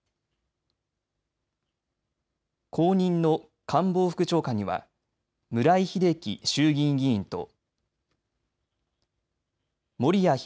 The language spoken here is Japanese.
後任の官房副長官には村井英樹衆議院議員と森屋宏